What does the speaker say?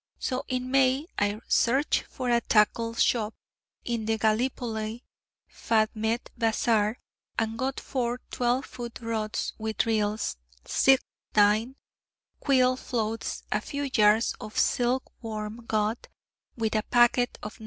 so in May I searched for a tackle shop in the Gallipoli Fatmeh bazaar, and got four 12 foot rods, with reels, silk line, quill floats, a few yards of silk worm gut, with a packet of No.